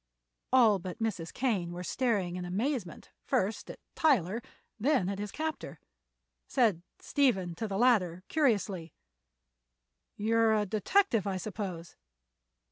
All but Mrs. Kane were staring in amazement first at Tyler, then at his captor. Said Stephen to the latter, curiously: "You are a detective, I suppose!"